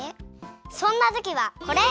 そんなときはこれ！